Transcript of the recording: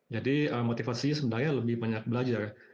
jadi motivasinya sebenarnya lebih banyak belajar